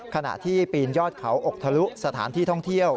ขณะที่ปีนยอดเขาอกทะลุสถานที่ท่องเที่ยว